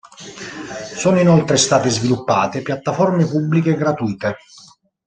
Sono inoltre state sviluppate piattaforme pubbliche gratuite.